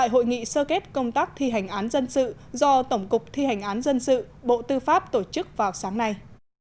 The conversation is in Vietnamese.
hội nghị sơ kết công tác thi hành án dân sự do tổng cục thi hành án dân sự bộ tư pháp tổ chức vào sáng nay